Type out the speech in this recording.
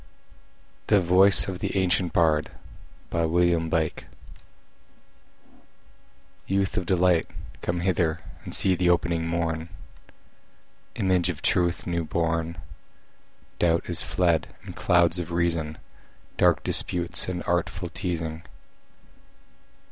THE VOICE OF THE ANCIENT BARD Youth of delight! come hither And see the opening morn, Image of Truth new born. Doubt is fled, and clouds of reason, Dark disputes and artful teazing.